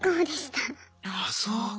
あそう。